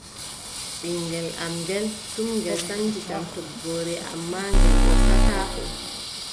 Ɓiŋngel am ngeel, tum ngel sannjita toggooje, ammaa ngel ɓortataako.